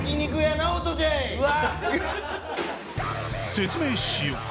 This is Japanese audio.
説明しよう